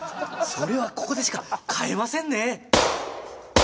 それはここでしか買えませんね！